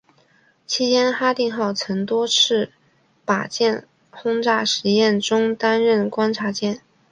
期间哈定号曾在多场靶舰轰炸实验中担任观察舰。